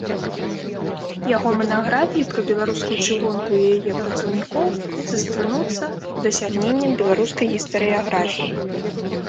Яго манаграфіі пра беларускую чыгунку і яе працаўнікоў застануцца дасягненнем беларускай гістарыяграфіі.